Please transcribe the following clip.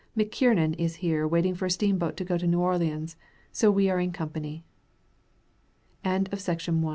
McKiernon is here waiting for a steamboat to go to New Orleans, so we are in company. PRINCETON, GIBSON COUNT